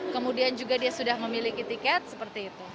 kemudian juga dia sudah memiliki tiket seperti itu